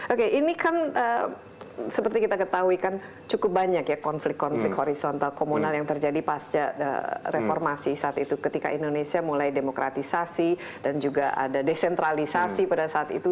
oke ini kan seperti kita ketahui kan cukup banyak ya konflik konflik horizontal komunal yang terjadi pasca reformasi saat itu ketika indonesia mulai demokratisasi dan juga ada desentralisasi pada saat itu